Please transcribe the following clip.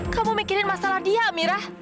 kamu mikirin masalah dia mirah